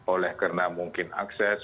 oleh karena mungkin akses